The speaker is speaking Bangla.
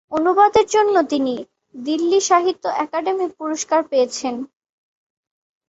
অনুবাদের জন্য তিনি দিল্লি সাহিত্য একাডেমি পুরস্কার পেয়েছেন।